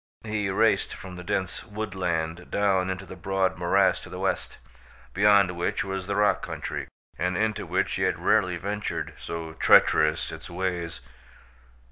He raced from the dense woodland down into the broad morass to the west beyond which was the rock country and into which he had rarely ventured, so treacherous its ways.